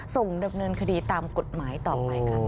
ส่งดำเนินคดีตามกฎหมายต่อไปค่ะ